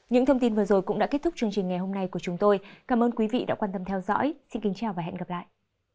những thông tin vừa rồi cũng đã kết thúc chương trình ngày hôm nay của chúng tôi cảm ơn quý vị đã quan tâm theo dõi xin kính chào và hẹn gặp lại